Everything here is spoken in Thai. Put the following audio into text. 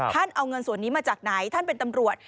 เอาเงินส่วนนี้มาจากไหนท่านเป็นตำรวจ